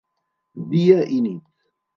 Dia i nit.